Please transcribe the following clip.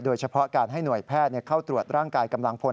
โดยเฉพาะการให้หน่วยแพทย์เข้าตรวจร่างกายกำลังพล